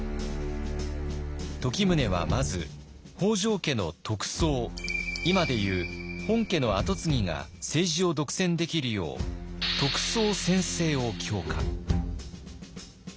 時宗はまず北条家の得宗今でいう本家の跡継ぎが政治を独占できるよう得宗専制を強化。